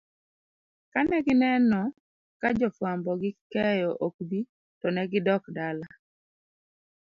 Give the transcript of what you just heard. kanegineno ka jofwambo gi keyo ok bi tonegidokdala